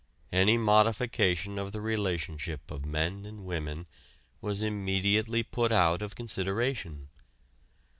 Any modification of the relationship of men and women was immediately put out of consideration.